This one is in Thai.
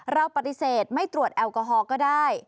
เราปฏิเสธไม่ตรวจแอลกอฮอลก็ได้